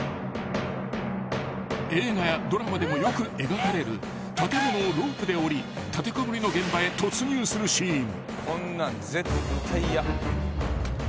［映画やドラマでもよく描かれる建物をロープで降り立てこもりの現場へ突入するシーン］